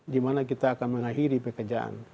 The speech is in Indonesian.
di mana kita akan mengakhiri pekerjaan